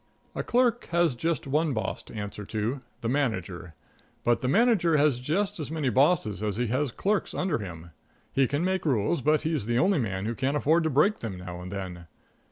A clerk has just one boss to answer to the manager. But the manager has just as many bosses as he has clerks under him. He can make rules, but he's the only man who can't afford to break them now and then.